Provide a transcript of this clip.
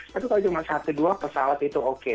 tapi kalau cuma satu dua pesawat itu oke